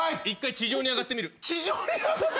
地上に上がってみるって何？